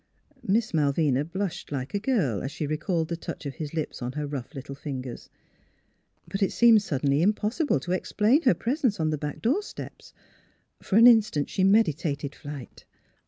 Miss Malvina blushed like a girl as she recalled the touch of his lips on her rough little fingers. But it seemed suddenly impossible to explain her presence on the back door steps. For an instant she meditated flight.